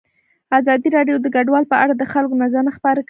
ازادي راډیو د کډوال په اړه د خلکو نظرونه خپاره کړي.